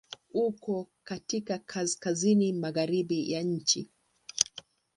Uko katika Kaskazini magharibi ya nchi.